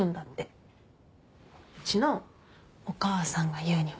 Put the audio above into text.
うちのお母さんが言うには。